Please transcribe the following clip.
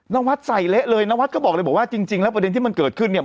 นวัดใส่เละเลยนวัดก็บอกเลยบอกว่าจริงแล้วประเด็นที่มันเกิดขึ้นเนี่ย